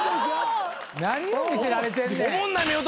何を見せられてんねん。